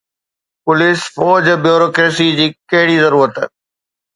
Police, فوج، bureaucracy جي ڪهڙي ضرورت؟